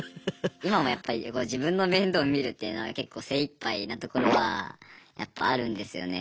今もやっぱり自分の面倒見るっていうのが結構精いっぱいなところはやっぱあるんですよね。